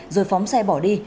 rồi phóng xe bỏ đi